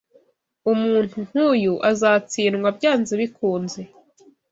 Umuntu nkuyu azatsindwa byanze bikunze.